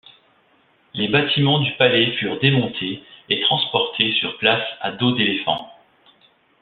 Les bâtiments du palais furent démontés et transportés sur place à dos d'éléphant.